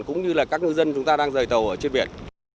cũng như là các ngư dân chúng ta đang rời tàu ở trên biển